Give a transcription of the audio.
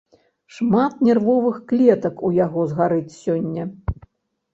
Шмат нервовых клетак у яго згарыць сёння.